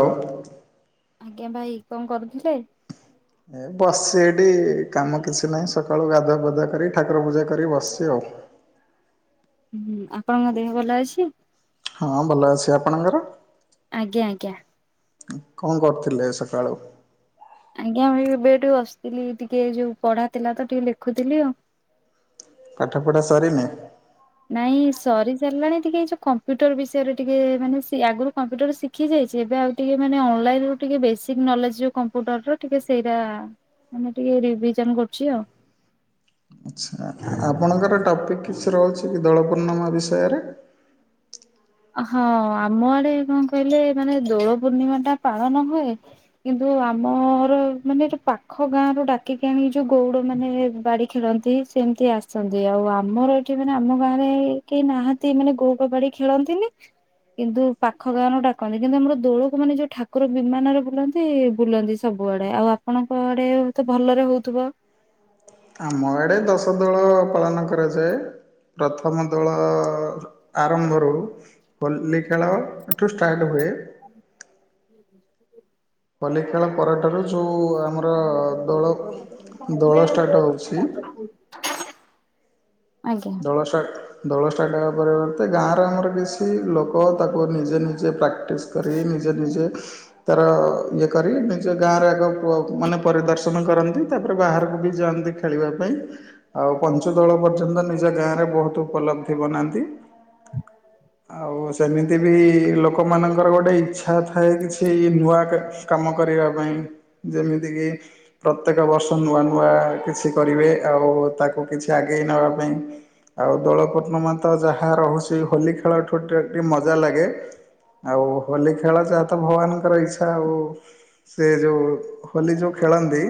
ହ। ଆଜ୍ଞା ଭାଇ କଣ କରୁଥିଲେ? ଏ ବସିଛି ଏଇଠି କାମ କିଛି ନାହିଁ ସକାଳୁ ଗାଧୁଆ ପାଧୁଆ କରି ଠାକୁର ପୂଜା କରି ବସିଛି ଆଉ। ହୁଁ ଆପଣଙ୍କ ଦେହ ଭଲ ଅଛି? ହଁ ଭଲ ଅଛି ଆପଣଙ୍କର? ଆଜ୍ଞା ଆଜ୍ଞା। କଣ କରୁଥିଲେ ସକାଳୁ? ଆଜ୍ଞା ମୁ ଏବେ ଏଠି ବସିଥିଲି ଟିକେ ଯୋଉ ପଢ଼ା ଥିଲା ତ ଟିକେ ଲେଖୁଥିଲି ଆଉ। ପାଠ ପଢ଼ା ସରିନି। ନାଇଁ ସରି ସାରିଲାଣି ଟିକେ ଯଉ କମ୍ପ୍ୟୁଟର ବିଷୟରେ ଟିକେ ମାନେ ସେ ଆଗରୁ କମ୍ପୁଟର ସି ଖି ଯାଇଛି ଏବେ ଆଉ ଟିକେ ମାନେ ଅନଲାଇନ ରୁ ଟିକେ ବେସିକ ନଲେଜ ଜଉ କମ୍ପ୍ୟୁଟର ର ଟିକେ ସେଇଟା ମାନେ ଟିକେ ରିଭିଜନ କରୁଛି ଆଉ। ଆଚ୍ଛା ଆପଣଙ୍କର ଟପିକ୍ କିଛି ରହୁଛି କି ଦୋଳ ପୂର୍ଣ୍ଣମା ବିଷୟରେ? ହଁ, ଆମ ଆଡ଼େ କଣ କହିଲେ ମାନେ ଦୋଳ ପୂର୍ଣିମା ଟା ପାଳନ ହୁଏ କିନ୍ତୁ ଆମର ମାନେ ଜଉ ପାଖ ଗାଁ ର ଡାକିକି ଆଣିକି ଯୋଉ ଗଉଡ଼ ମାନେ ବଡ଼ି ଖେଳନ୍ତି। ସେମିତି ଆସନ୍ତି ଆଉ ଆମର ଏଠି ମାନେ ଆମ ଗାଁରେ କେହି ନାହାନ୍ତି ମାନେ ଗୋଉଡ଼ ବାଡ଼ି ଖେଳନ୍ତି। ତିନି କିନ୍ତୁ ପାଖ ଗାଁର ଡାକନ୍ତି କିନ୍ତୁ ଆମର ଦୋଳକୁ ମାନେ ଯୋଉ ଠାକୁର ବିମାନରେ ବୁଲନ୍ତି ବୁଲନ୍ତି। ସବୁଆଡ଼େ ଆଉ ଆପଣଙ୍କ ଆଡ଼େ ତ ଭଲରେ ହଉଥିବ। ଆମ ଆଡ଼େ ଦଶ ଦୋଳ ପାଳନ କରାଯାଏ ପ୍ରଥମ ଦୋଳଅ ଆରମ୍ଭରୁ ହୋଲି ଖେଳଠୁ ଷ୍ଟାର୍ଟ ହୁଏ। [inaudible] ହୋଲି ଖେଳ ପରଠାରୁ ଯୋଉ ଆମ ଷ୍ଟାର୍ଟ ହଉଛି [unintelligible] ଆଜ୍ଞା। ଦୋଳଷ୍ଟାର୍ଟ ଦୋଳ ଷ୍ଟାର୍ଟ ହେବା ପରିବର୍ତ୍ତେ ଗାଁରେ ଆମର କିଛି ଲୋକ ତାକୁ ନିଜେ ନିଜେ ପ୍ରା ପ୍ରାସ୍ କରିକି ନିଜେ ନିଜେ ତାର ଇଏ କରି ନିଜେ ଗାଁରେ ଆଗ ମାନେ ପରିଦର୍ଶନ କରନ୍ତି ତାପରେ ବାହାରକୁ ବି ଯାଆନ୍ତି ଖେଳିବା ପାଇଁ ଆଉ ପଞ୍ଚ ଦଳ ପର୍ଯ୍ୟନ୍ତ। ନିଜ ଗାଁରେ ବହୁତ ଉପଲବ୍ଧି ବନାନ୍ତି। [inaudible] ଆଉ ସେମିତି ବି ଲୋକମାନଙ୍କର ଗୋଟେ ଇଚ୍ଛା ଥାଏ କିଛି ନୂଆ କ କାମ କରିବା ପାଇଁ ଯେମିତିକି ପ୍ରତ୍ୟେକ ବର୍ଷ ନୂଆ ନୂଆ କିଛି କରିବେ ଆଉ ତାକୁ କିଛି ଆଗେଇ ନବା ପାଇଁ ଆଉ ଦୋଳ ପୂର୍ଣ୍ଣିମା ତ ଯାହା ରହୁଛି ହୋଲି ଖେଳଠୁ ଟିକେ ଟେ ମଜା ଲାଗେ। ଆଉ ହୋଲି ଖେଳ ଯାହା ତ ଭଗବାନଙ୍କର ଇଚ୍ଛା ଆଉ। ସେ ଯୋଉ ହୋଲି ଯୋଉ ଖେଳନ୍ତି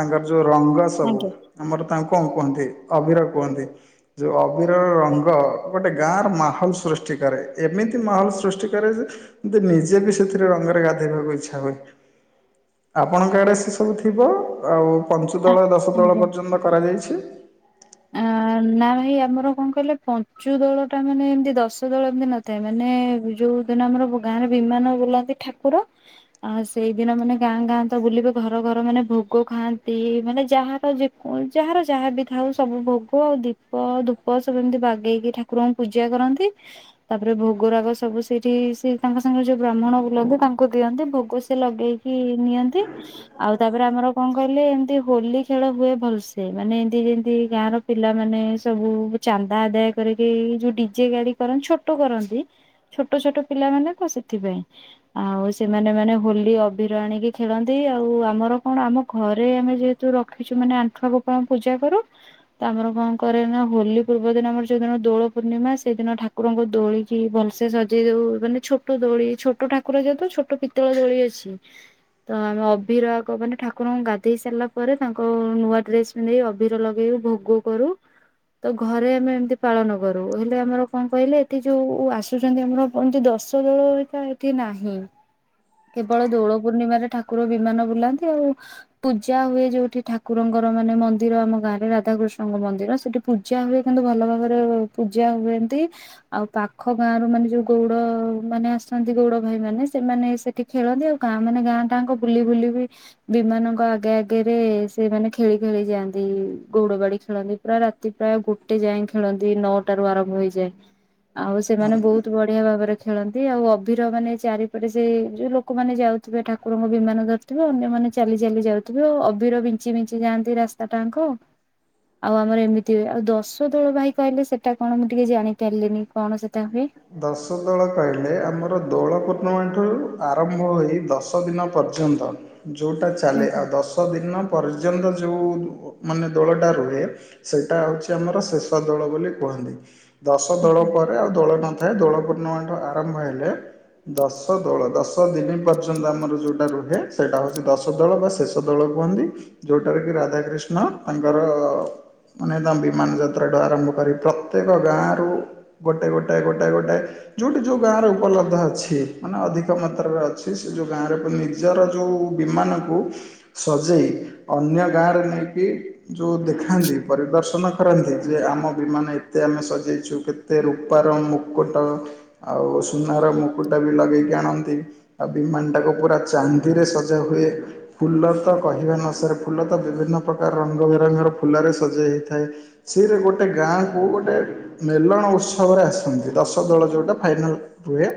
ତାଙ୍କର ଯୋଉ ରଙ୍ଗ ସବୁ ଆଜ୍ଞା ଆମର ତାଙ୍କୁ କଣ କୁହନ୍ତି ଅଭିିର କୁହନ୍ତି। ଯଉଁ ଅବିରର ରଙ୍ଗ ଗୋଟେ ଗାଁର ମାହୋଲ ସୃଷ୍ଟି କରେ ଏମିତି ମାହୋଲ ସୃଷ୍ଟି କରେ ଯେ କିନ୍ତୁ ନିଜେ ବି ସେଥିରେ ରଙ୍ଗରେ ଗାଧୋଇବାକୁ ଇଚ୍ଛା ହୁଏ। ଆପଣଙ୍କ ଆଡ଼େ ସେ ସବୁ ଥିବ ଆଉ ପଞ୍ଚୁଦଳ ଦଶ ତଳ ଆଜ୍ଞା। ପର୍ଯ୍ୟନ୍ତ କରାଯାଇଛି। [unintelligible] ନା ଭାଇ ଆମର କଣ କହିଲେ ପଞ୍ଚୁ ଦଳ ଟା ମାନେ ଏମତି ଦଶ ଦଳ ଏମିତି ନଥାଏ ମାନେ ଯୋଉ ଯଉ ଦିନ ଆମର ଗାଁରେ ବିମାନ ବୁଲାନ୍ତି ଠାକୁର। ଆଉ ସେଇଦିନ ମାନେ ଗାଁ ଗାଁ ତ ବୁଲିବେ ଘର ଘର ମାନେ ଭୋଗ ଖାଆନ୍ତି ମାନେ ଯାହାର ଯାହାର ଯାହା ବିି ଥାଉ। ସବୁ ଭୋଗ ଆଉ ଦୀପ ଧୂପ ସବୁ ଏମିତି ବାଗେଇକି ଠାକୁରଙ୍କୁ ପୂଜା କରନ୍ତି। ତାପରେ ଭୋଗ ରାଗ ସବୁ ସେଇଠି ସେ ତାଙ୍କ ସାଙ୍ଗରେ ଯୋଉ ବ୍ରାହ୍ମଣ ବୁଲନ୍ତି ତାଙ୍କୁ ଦିଅନ୍ତି ଭୋଗ ସେ ଲଗେଇକି କି ନିଅନ୍ତି। ଆଉ ତାପରେ ଆମର କଣ କହିଲେ ଏମିତି ହୋଲି ଖେଳ ହୁଏ ଭଲସେ ମାନେ ଏମତି ଯେମିତି ଗାଁର ପିଲାମାନେ ସବୁ ଚାନ୍ଦା ଆଦାୟ କରିକି ଯୋଉ ଡିଜେ ଗାଡି କରନ୍ତି ଛୋଟ କରନ୍ତି। ଛୋଟ ଛୋଟ ପିଲାମାନେତ ସେଥିପାଇଁ ଆଉ ସେମାନେ ମାନେ ହୋଲି ଅଭିିର ଆଣିକି ଖେଳନ୍ତି ଆଉ ଆମର କଣ ଆମ ଘରେ ଆମେ ଯେହେତୁ ରଖିଛୁ ମାନେ ଆଣ୍ଠୁଆ ଗୋପାଳଙ୍କୁ ପୂଜା କରୁ। ତ ଆମର କଣ କରେନା ହୋଲି ପୂର୍ବ ଦିନ ଆମର ଯୋଉ ଦିନ ଦୋଳ ପୂର୍ଣ୍ଣିମା ସେଇଦିନ ଠାକୁରଙ୍କୁ ଦୋଳି ଭଲସେ ସଜେଇ ଦଉ ମାନେ ଛୋଟ ଦୋଳି ଛୋଟ ଠାକୁର ଯେହେତୁ ଛୋଟ ପିତ୍ତଳ ଦୋଳି ଅଛି। ତ ଆମେ ଅବିରାଗ ମାନେ ଠାକୁରଙ୍କୁ ଗାଧେଇ ସାରିଲା ପରେ ତାଙ୍କ ନୂଆ ଡ୍ରେସ୍ ନେଇ ଅବିର ଲଗେଇବୁ ଭୋଗ କରୁ। ତ ଘରେ ଆମେ ଏମିତି ପାଳନ ତ ଘରେ ଘରେ ଏମିତି ପାଳନ କରୁ ହେଲେ ଆମର କଣ କହିଲେ ଏଠି ଯୋଉ ଆସୁଛନ୍ତି ଆମର ଏମିତି ଦଶ ଦଳ ହେରିକା ଏଠି ନାହିଁ। କେବଳ ଦୋଳ ପୂର୍ଣ୍ଣିମାରେ ଠାକୁର ବିମାନ ବୁଲାନ୍ତି ଆଉ ପୂଜା ହୁଏ ଯୋଉଠି ଠାକୁରଙ୍କର ମାନେ ମନ୍ଦିର ଆମ ଗାଁରେ ରାଧାକୃଷ୍ଣ ତାଙ୍କ ମନ୍ଦିର ସେଠି ପୂଜା ହୁଏ କିନ୍ତୁ ଭଲ ଭାବରେ ପୂଜା ହୁଏ ଏମିତି ଆଉ ପାଖ ଗାଁରୁ ମାନେ ଯୋଉ ଗଉଡ ମାନେ ଆସନ୍ତି ଗଉଡ ଭାଇ ମାନେ ସେମାନେ ସେ ଟିକେ ଖେଳନ୍ତି ଆଉ ଗାଁ ମାନେ ଗାଁ ଗାଙ୍କୁ ବୁଲି ବୁଲି ବି ବିମାନଙ୍କ ଆଗେ ଆଗରେ ସେମାନେ ଖେଳି ଖେଳି ଯାଆନ୍ତି ଗଉଡ ବାଡି। ଖେଳନ୍ତି ପାୟ ରାତି ପ୍ରାୟ ଗୋଟେ ଯାଏ ଖେଳନ୍ତି ନଅଟାରୁ ଆରମ୍ଭ ହେଇଯାଏ ଆଉ ସେମାନେ ବହୁତ ବହୁ ବଢିଆ ଭାବରେ ଖେଳନ୍ତି ଆଉ ଅଭିର ମାନେ ଚାରିପଟେ ସେ ଯୋଉ ଲୋକମାନେ ଯାଉଥିବେ ଠାକୁରଙ୍କ ବିମାନ ଦର ଥିବେ ଅନ୍ୟମାନେ ଚାଲି ଚାଲି ଯାଉଥିବେ ଅବିର ବିଞ୍ଚି ବିଞ୍ଚି ଯାଆନ୍ତି ରାସ୍ତା ଟାଙ୍କ। ଆଉ ଆମର ଏମିତି ହୁଏ ଆଉ ଦଶ ଦୋଳ ଭାଇ କହିଲେ ସେଟା କଣ ମୁଁ ଟିକେ ଜାଣିପାରିଲିନି କଣ ସେଟା ହୁଏ? ଦଶ ଦୋଳ କହିଲେ ଆମର ଦୋଳ ପୂର୍ଣାମଠାରୁ ଆରମ୍ଭ ହୋଇ ଦଶ ଦିନ ପର୍ଯ୍ୟନ୍ତ ଯୋଉଟା ଚାଲେ ଆଜ୍ଞା ଆଉ ଦଶ ଦଶଦିନ ପର୍ଯ୍ୟନ୍ତ ଯେଉଁ ମାନେ ଦୋଳଟା ରୁହେ ସେଇଟା ହଉଛି ଆମର ଶେଷ ଦୋଳ ବୋଲି କୁହନ୍ତି ଦଶ ଦୋଳ ଆଜ୍ଞା। ପରେ ଆଉ ଦୋଳ ନଥାଏ ଦୋଳ ପୂର୍ଣ୍ଣମାଟ ଆରମ୍ଭ ହେଲେ ଦଶ ଦୋଳ ଦଶ ଦିନି ପର୍ଯ୍ୟନ୍ତ ଆମର ଯୋଉଟା ରୁହେ ସେଇଟା ହଉଛି ଦଶ ଶ ଦଳ ବା ଶେଷ ଦଳ କୁହନ୍ତି ଯୋଉଟାରେ କି ରାଧା କୃିଷ୍ଣ ତାଙ୍କର ମାନେ ତା ବିମାନଯାତ୍ରାଠୁ ଆରମ୍ଭ କରି ପ୍ରତ୍ୟେକ ଗାଁରୁ ଗୋଟେ ଗୋଟେ ଗୋଟେ ଗୋଟେ ଯୋଉଠି ଯୋଉ ଗାଁର ଉପଲବ୍ଧ ଅଛି ମାନେ ଅଧିକ ମାତ୍ରାରେ ଅଛି ସେ ଯୋଉ ଗାଁରେ ପନି ନିଜର ଯୋଉ ବିମାନକୁ ସଜେଇ ଅନ୍ୟ ଗାଁରେ ନେଇକି ଯୋଉ ଦେଖାନ୍ତି ପରିଦର୍ଶନ କରନ୍ତି ଯେ ଆମ ବିମାନ ଏ କେତେ ଆମେ ସଜେଇଛୁ କେତେ ରୂପାର ମୁକୁଟ ଆଉ ସୁନାର ମୁକୁଟ ବି ଲଗେଇକି ଆଣନ୍ତି। ଆଉ ବିମାନଟାକୁ ପୁରା ଚାନ୍ଦିରେ ସଜା ହୁଏ। ଫୁଲ ତ କହିବା ନସରେ ଫୁଲ ତ ବିଭିନ୍ନ ପ୍ରକାର ରଙ୍ଗ ବିରଙ୍ଗର ଫୁଲରେ ସଜେଇ ହେଇଥାଏ। ସିରେ ଗୋଟେ ଗାଁକୁ ଗୋଟେ ମେଲଣ ସବରେ ଆସନ୍ତି ଦଶ ଦଳ ଯୋଉଟା ଫାଇନାଲ ରୁହେ।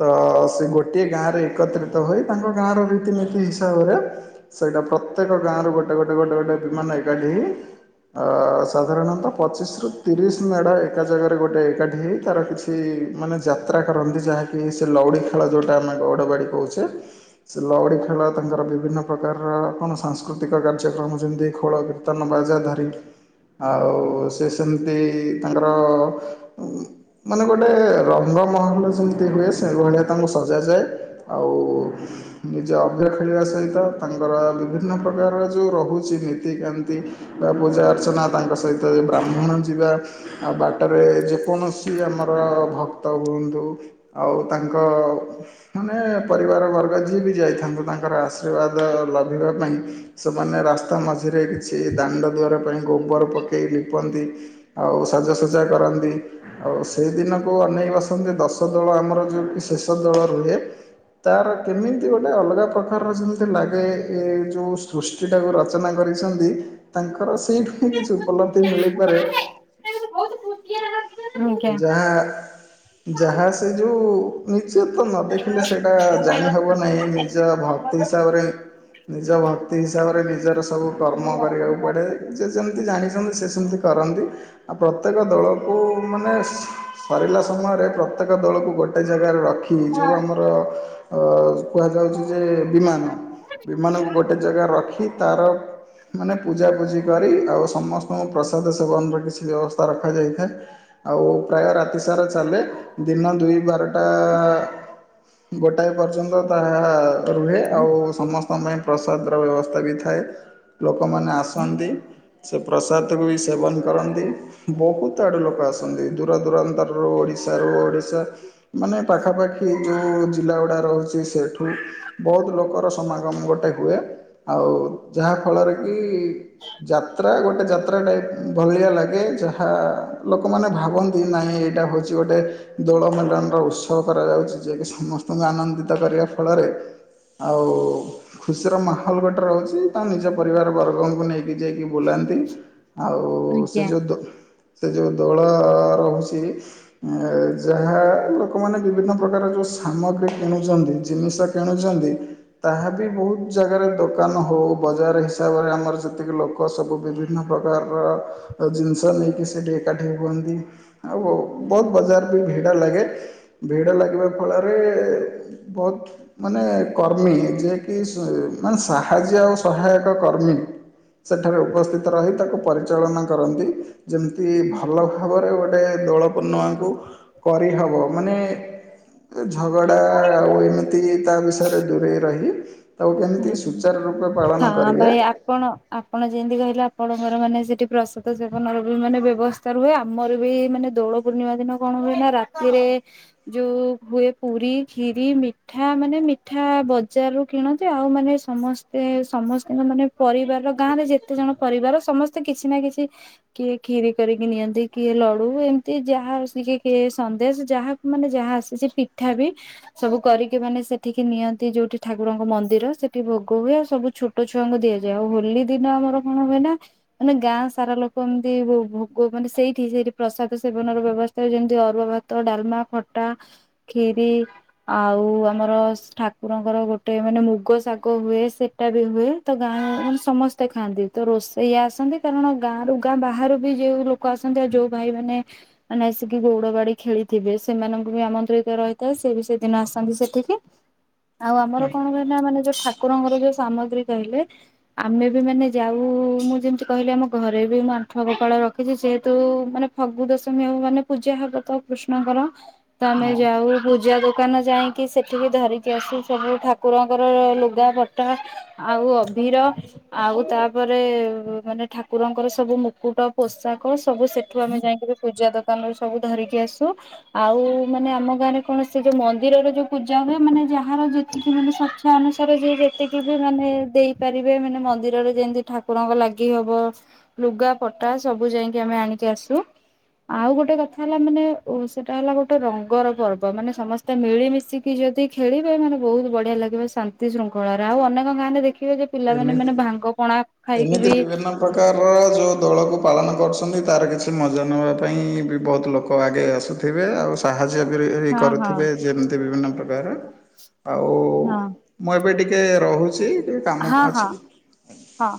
ତ ସେ ଗୋଟିଏ ଗାଁରେ ଏକତ୍ରିତ ହୋଇ ତାଙ୍କ ଗାଁର ରୀତିନୀତି ହିସାବରେ ସେଇଟା ପ୍ରତ୍ୟେକ ଗାଁରୁ ଗୋଟେ ଗୋଟେ ଗୋଟେ ଗୋଟେ ବିମାନ ଏକାଠିି ହେଇ ଅ ସାଧାରଣତଃ ପଚିଶି ରୁ ତିରିଶି ମେଢ ଏକା ଜାଗାରେ ଗୋଟେ ଏକାଠି ହେଇ ତାର କିଛି ମାନେ ଯାତ୍ରା କରନ୍ତି ଯାହାକି ସେ ଲଉଡି ଖେଳ ଯୋଉଟା ଆମେ ଗଡବାଡି କହୁଛ [inaudible] ସେ ଲଉଡ଼ିଖେଳ ତାଙ୍କର ବିଭିନ୍ନ ପ୍ରକାରର କଣ ସାଂସ୍କୃତିକ କାର୍ଯ୍ୟକ୍ରମ ଯେମିତି ଖୋଳ କିର୍ ର୍ତ୍ତନ ବାଜା ଧରିକି ଆଉ ସେ ସେମିତି ତାଙ୍କର [inaudible] ମାନେ ଗୋଟେ ରଙ୍ଗମହଲ ଯେମିତି ହୁଏ, ସେ ଭଳିଆ ତାଙ୍କୁ ସଜାଯାଏ। ଆଉ ନିଜେ ଅଭିର ଖେଳିବା ସହିତ ତାଙ୍କର ବିଭିନ୍ନ ପ୍ରକାରର ଯୋଉ ରହୁଛି ନୀତିକାନ୍ତି। ବା ପୂଜା ଅର୍ଚ୍ଚନା ତାଙ୍କ ସହିତ ବ୍ରାହ୍ମଣ ଯିବା ଆଉ ବା ଟରେ ଯେକୌଣସି ଆମର ଭକ୍ତ ହୁଅନ୍ତୁ ଆଉ ତାଙ୍କ ମାନେ ପରିବାର ବର୍ଗ ଯିଏ ବି ଯାଇଥାନ୍ତୁ ତାଙ୍କର ଆଶୀର୍ବାଦ ଲଭିବା ପାଇଁ ସେମାନେ ରାସ୍ତା ମଝିରେ କିଛି ଦାଣ୍ଡ ଦୁଆର ପାଇଁ ଗୋବର ପକେଇ ଲିପନ୍ତି। ଆଉ ସାଜସଜା କରନ୍ତି। ଆଉ ସେଇ ଦିନକୁ ଅନେଇକ ବସନ୍ତି ଦଶ ଦୋଳ ଆମର ଯୋଉ ବି ଶେଷ ଦୋଳ ରୁହେ। ତାର କେମିତି ଗୋଟେ ଅଲଗା ପ୍ରକାରର ଯେମିତି ଲାଗେ ଏ ଯୋଉ ସୃଷ୍ ଷ୍ଟିଟାକୁ ରଚନା କରିଛନ୍ତି ତାଙ୍କର ସେଇଠୁ ହିଁ କିଛି ଉପଲବ୍ଧି ମିଳିପାରେ। [unintelligible] ଯାହା ଯାହା ସେଇ ଯୋଉ ନିଚେତନ ଦେଖିଲେ ସେଇଟା ଜାଣି ହବ ନାହିଁ ନିଜ ଭକ୍ତି ହିସାବରେ ନିଜ ଭକ୍ତି ହିସାବରେ ନିଜର ସବୁ କର୍ମ କରିବାକୁ ପଡ଼େ ଯିଏ ଯେମିତି ଜାଣିଛନ୍ତି ସେ ସେମିତି କରନ୍ତି ଆଉ ପ୍ରତ୍ୟେକ ଦୋଳକୁ ମାନେ ସରିଲା ସମୟରେ ପ୍ରତ୍ୟେକ ଦୋଳକୁ ଗୋଟେ ଜାଗାରେ ରଖି ଯେଉଁ ଆମର ଅଁ କୁହାଯାଉଛି ଯେ ବିମାନ ବିମାନକୁ ଗୋଟେ ଜାଗା ରଖି ତାର ମାନେ ପୂଜାପୂଜି କରି ଆଉ ସମସ୍ତଙ୍କୁ ପ୍ରସାଦ ସେବନର କିଛି ବ୍ୟବସ୍ଥା ରଖାଯାଇଥାଏ। ଆଉ ପ୍ରାୟ ରାତିସାରା ଚାଲେ ଦିନ ଦୁଇ ବାରଟା ଗୋଟାଏ ପର୍ଯ୍ୟନ୍ତ ତାହା ରୁହେ ଆଉ ସମସ୍ତଙ୍କ ପାଇଁ ପ୍ରସାଦର ବ୍ୟବସ୍ଥା ବି ଥାଏ। ଲୋକୋ ମାନେ ଆସନ୍ତି। ସେ ପ୍ରସାଦ କୁ ବି ସେବନ କରନ୍ତି ବୋହୁତ ଆଡୁ ଲୋକୋ ଆସ ସନ୍ତି ଦୂର ଦୂରାନ୍ତରରୁ ଓଡ଼ିଶାରୁ ଓଡ଼ିଶା ମାନେ ପାଖାପାଖି ଯୋଉ ଜିଲ୍ଲା ଗୁଡା ରହୁଛି ସେଠୁ ବୋହୁତ ଲୋକୋର ସମାଗମ ଗୋଟେ ହୁଏ ଆଉ ଯାହା ଫଳରେ କି ଯାତ୍ରା ଗୋଟେ ଯାତ୍ରା ଟାଇପ୍ ଭଳିଆ ଲାଗେ ଯାହା ଲୋ କୋମାନେ ଭାବନ୍ତି ନାଇଁ ଏଇଟା ହୋଉଛି ଗୋଟେ ଦୋଳ ମଣ୍ଡନର ଉତ୍ସବ କରାଯାଉଛି ଯିଏ କି ସମ ସ୍ତଙ୍କୁ ଆନନ୍ଦିତ କରିବା ଫଳରେ ଆଉ ଖୁସିର ମାହୋଲ ଗୋଟେ ରୋହୁଛି ତାଙ୍କ ନିଜ ପରିବାର ବର୍ଗଙ୍କୁ ନେଇ କି ଯାଇକି ବୁଲାନ୍ତି ଆଉ ସେ ଯୋଉ ଦୋ ସେ ଯୋଉ ଦୋଳ ରୋହୁଛି। ଉଁ ଆଉ ଯାହା ଲୋକୋ ମାନେ ବିଭିନ୍ନ ପ୍ରକାର ଯେଉଁ ସାମଗ୍ରୀ କିଣୁଚନ୍ତି ଜିନିଷ କିଣୁଛନ୍ତି। ତାହା ବି ବୋହୁତ ଜାଗାରେ ଦୋକାନ ହୋଉ ବଜାର ହିସାବରେ ଆମର ଯେତିକି ଲୋ କ ସବୁ ବିଭିନ୍ନ ପ୍ରକାରର ଜିନିଷ ନେଇକି ସେଠି ଏକାଠି ହୁହନ୍ତି ଆଉ ବୋହୂ ବୋହୁତ ବଜାର ବି ଭିଡ଼ ଲାଗେ। ଭିଡ ଲାଗିବା ଫଳରେ ବୋହୁତ ମାନେ କର୍ମୀ ଯିଏକି ମାନେ ସାହାଯ୍ୟ ଆଉ ସହାୟକ କର୍ମୀ ସେଠାରେ ଉପସ୍ଥିତ ରହି ତାକୁ ପରିଚାଳନା କରନ୍ତି ଯେମିତି ଭଲ ଭାବରେ ଗୋଟେ ଦୋଳ ପୂର୍ଣ୍ଣିମାକୁ କରିହବ ମାନେ ଏ ଝଗଡ଼ା ଆଉ ଏମିତି ତା ବିଷୟରେ ଦୂରେଇ ରହି। ତାକୁ କେମିତି ଆଜ୍ଞା। ସୂଚାରୁ ରୂପେ ପାଳନ ହଁ କରିବେ ଭାଇ ଆପଣ ଆପଣ ଯେନ୍ତି କହିଲେ ଆପଣଙ୍କର ମାନେ ସେଠି ପ୍ରସାଦ ସେବନର ବି ମାନେ ବ୍ୟବସ୍ ସ୍ତା ରୁହେ ଆମର ବି ମାନେ ଦୋଳ ପୂର୍ଣ୍ଣିମା ଦିନ କଣ ହୁଏ ନା ରାତିରେ ଯୋଉ ହୁଏ ପୁରୀ କ୍ଷୀରି ମିଠା ମାନେ ମିଠା ବଜାରରୁ କିଣ ଯାଏ ଆଉ ମାନେ ସମସ୍ତେ ସମସ୍ତିଙ୍କ ମାନେ ପରିବାର ଗାଁରେ ଯେତେ ଜଣ ପରିବାର ସମସ୍ତେ ସେ କିଛି ନା କିଛି କିଏ କ୍ଷୀରି କରିକି ନିଅନ୍ତି କିଏ ଲଡୁ ଏମ୍ତି ଯାହା ଆସିକି କିଏ ସନ୍ଦେଶ ଯାହା ମାନେ ଯାହା ଆସିଚି ପିଠା ବି ସବୁ କରିକି ମାନେ ସେଠିକି ନିଅନ୍ତି ଯୋଉଠି ଠାକୁରଙ୍କ ମ ନ୍ଦିର ସେଠି ଭୋଗ ହୁଏ ଆଉ ସବୁ ଛୋଟ ଛୁଆଙ୍କୁ ଦିଆଯାଏ ଆଉ ହୋଲି ଦିନ ଆମର କଣ ହୁଏ ନା ମାନେ ଗାଁ ସାରା ଲୋକ ଏମ୍ତି ଭୋଗ ମାନେ ସେଇଠି ସେଇଠି ପ୍ରସାଦ ସେବନ ର ବ୍ୟବ ଯେମିତି ଅରୁଆ ଭାତ ଡାଲ୍ମା, ଖଟା ଖିରି ଆଉ ଆମର ଠାକୁରଙ୍କର ଗୋଟେ ମାନେ ମୁ କୋ ଶାଗ ହୁଏ ସେଟା ବି ହୁଏ ତ ଗାଁ ମାନେ ସମସ୍ତେ ଖାଆନ୍ତି ତ ରୋଷେଇଆ ଆସନ୍ତି। କାରଣ ଗାଁ ରୁ ଗାଁ ବାହାରୁ ବି ଯୋଉ ଲୋକ ଆସନ୍ତି ଆଉ ଯୋଉ ଭାଇ ମାନେ ମାନେ ଆସିକି ଗୋଉଡ ଗାଡି ଖେଳିଥିବେ, ସେମାନଙ୍କୁ ବି ଆମନ୍ତ୍ରିତ ରହିଥାଏ ସିଏ ବି ସେଦିନ ଆସନ୍ତି ସେଠିକି। ଆଉ ଆମର କଣ କହିନା ମାନେ ଯୋଉ ଠାକୁରଙ୍କର ଯୋଉ ସାମଗ୍ରୀ କହିଲେ ଆମେ ବି ମାନେ ଯାଉ ମୁଁ ଯେମିତି କହିଲି ଆମ ଘରେ ବି ମୁଁ ଆଣ୍ଠୁଆ ଗୋପାଳ ରଖିଚି ସେହେତୁ ମାନେ ଫଗୁ ଦଶମୀ ହବ ମାନେ ପୂଜା ହବ ତ କୃଷ୍ଣଙ୍କର। ତ ଆମେ ଯାଉ ପୂଜା ଦୋକାନ ଯାଇଁକି ସେଠି ବି ଧରିକି ଆସୁ ସେଠୁ ଠାକୁରଙ୍କର ଲୁଗାପଟା ଆଉ ଅଭିର। ଆଉ ତାପରେ ମାନେ ଠାକୁରଙ୍କର ସବୁ ମୁକୁଟ ପୋଷାକ ସବୁ ସେ ଏଠୁ ଆମେ ଯାଇକିଁ ବି ପୂଜା ଦୋକାନରୁୁ ସବୁ ଧରିକି ଆସୁ। ଆଉ ମାନେ ଆମ ଗାଁ ରେ କଣ ସେଇ ଯୋଉ ମନ୍ଦିରରେ ଯୋଉ ପୂଜା ହୁଏ ମାନେ ଯାହାର ଯେତିକି ମାନେ ଶିକ୍ଷା ଥରେ ଯିଏ ଯେତିକି ବି ମାନେ ଦେଇପାରିବେ ମାନେ ମନ୍ଦିରରେ ଯେମତି ଠାକୁରଙ୍କ ଲାଗି ହବ। ଲୁଗା ପଟା ସବୁ ଯାଇଁକି ଆମେ ଆଣିକି ଆସୁ। ଆଉ ଗୋଟେ କଥା ହେଲା ମାନେ ସେଟା ହେଲା ଗୋଟେ ରଙ୍ଗର ପର୍ବ ମାନେ ସମ ମିଳିମିଶିକି ଯୋଦି ଖେଳିବେ ମାନେ ବୋହୁତ୍ ବଢିଆ ଲାଗିବ ଶାନ୍ ନ୍ତି ଶୃଙ୍ଖଳାରେ ଆଉ ଅନେକ ଗାଁରେ ଦେଖିବେ ଯେ ପିଲାମାନେ ଏମିତି ମାନେ ଭାଙ୍ଗ ପଣା ଖାଇକି ଏମିତି ବି ବିଭିନ୍ନ ପ୍ରକାରର ଯେଉଁ ଦୋଳକୁ ପାଳନ କରୁଛନ୍ତି ତାର କିଛି ମଜା ନବା ପାଇଁ ବି ବହୁତ ଲୋକ ଆଗେ ଆସୁ ଥିବେ ଆଉ ସାହାଯ୍ୟ ବି ହଁ ହଁ କରୁଥିବେ ଯେମ୍ତି ବିଭିନ୍ନ ପ୍ରକାର୍ ର। ଆଉ ହଁ। ମୁଁ ଏବେ ଟିକେ ରହୁଚି। ହଁ ହଁ ହଁ।